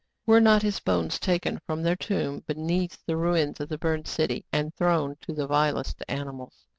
Were not his bones taken from their tomb beneath the ruins of the burned city, and thrown to the vilest animals